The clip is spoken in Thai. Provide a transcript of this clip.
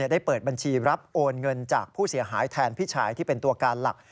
ได้เปิดบัญชีรับโอนเงินจากผู้เสียหายแทนพี่ชายที่เป็นตัวการหลัก